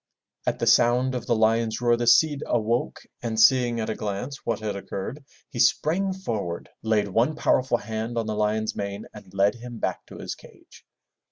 At the sound of the lion's roar the Cid awoke and seeing at a glance what had occurred, he sprang forward, laid one powerful hand on the lion's mane and led him back to his cage.